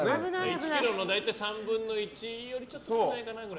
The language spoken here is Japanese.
１ｋｇの大体３分の１ぐらいそれより、ちょっと少ないかなぐらい。